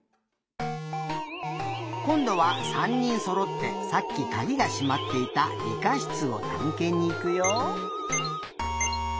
こんどは３にんそろってさっきかぎがしまっていたりかしつをたんけんにいくよ。